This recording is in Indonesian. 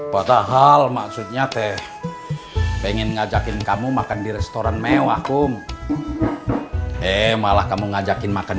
padahal maksudnya teh pengen ngajakin kamu makan di restoran mewahku eh malah kamu ngajakin makan